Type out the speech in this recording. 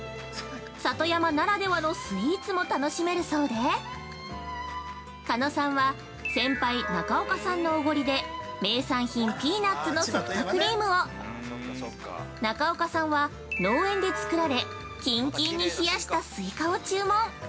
里山ならではのスイーツも楽しめるそうで狩野さんは先輩・中岡さんのおごりで、名産品ピーナッツのソフトクリームを中岡さんは農園で作られキンキンに冷やしたスイカを注文。